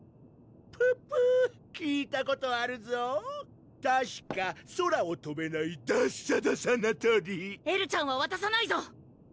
ププッ聞いたことあるぞたしか空をとべないダッサダサな鳥エルちゃんはわたさないぞ！